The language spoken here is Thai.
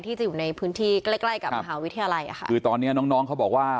ที่จะอยู่ในพื้นที่ใกล้กับมหาวิทยาลัยคือตอนนี้น้องเขาบอกว่า